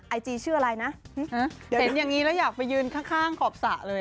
ไอจีชื่ออะไรนะเห็นอย่างนี้แล้วอยากไปยืนข้างขอบสระเลย